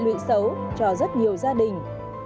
hệ lụy xấu cho rất nhiều gia đình